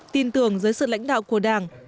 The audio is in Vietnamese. tin tưởng giới sự lãnh đạo của đảng